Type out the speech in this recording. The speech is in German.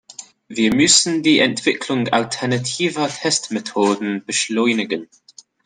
Wir müssen die Entwicklung alternativer Testmethoden beschleunigen.